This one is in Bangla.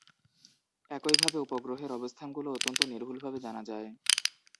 একইভাবে, উপগ্রহের অবস্থানগুলো অত্যন্ত নির্ভুলভাবে জানা যায়।